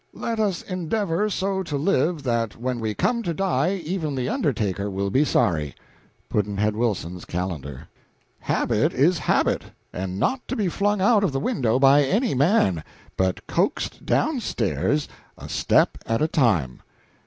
Let us endeavor so to live that when we come to die even the undertaker will be sorry. Pudd'nhead Wilson's Calendar. Habit is habit, and not to be flung out of the window by any man, but coaxed down stairs a step at a time.